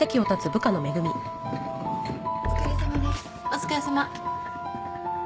お疲れさまです。